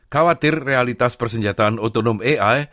khawatir realitas persenjataan otonom ai